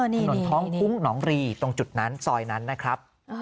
ถนนท้องคุ้งหนองรีตรงจุดนั้นซอยนั้นนะครับ